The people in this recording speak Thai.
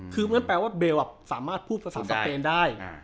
คือมันแปลว่าเบลสามารถพูดภาษาสเปนได้